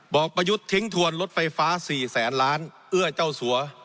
ประยุทธ์ทิ้งทวนรถไฟฟ้า๔แสนล้านเอื้อเจ้าสัว